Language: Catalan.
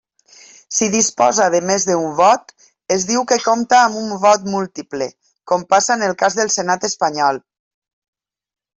Si disposa de més d'un vot, es diu que compta amb un vot múltiple, com passa en el cas del Senat espanyol.